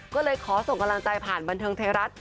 ก็เลยขอส่งกำลังใจผ่านบันเทิงไทยรัฐ